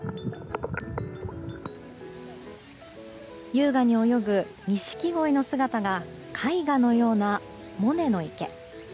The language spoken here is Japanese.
優雅に泳ぐニシキゴイの姿が絵画のようなモネの池。